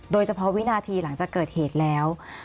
โดยเฉพาะวินาทีหลังจากเกิดเหตุแล้ว